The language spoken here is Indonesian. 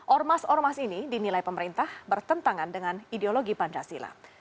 ormas ormas ini dinilai pemerintah bertentangan dengan ideologi pancasila